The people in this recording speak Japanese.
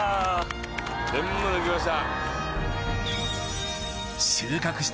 全部抜きました。